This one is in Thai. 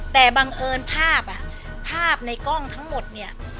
แต่บังเอิญภาพภาพในกล้องทั้งหมดเนี่ย